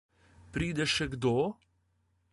Pride še kdo?